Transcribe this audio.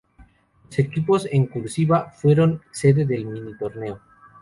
Los equipos en "cursiva" fueron sede del mini-torneo.